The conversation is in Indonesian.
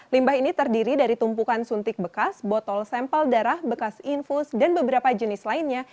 limbah ini terdiri dari tumpukan suntik bekas botol sampel darah bekas infus dan beberapa jenis lainnya